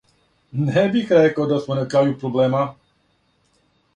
Не бих рекао да смо на крају проблема.